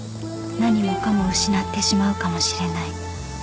［何もかも失ってしまうかもしれない］